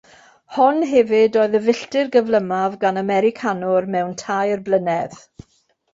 Hon hefyd oedd y filltir gyflymaf gan Americanwr mewn tair blynedd.